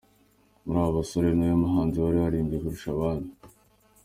Muri aba bose ni uwuhe muhanzi wari warimbye kurusha abandi?.